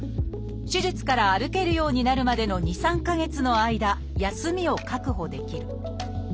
手術から歩けるようになるまでの２３か月の間休みを確保できる。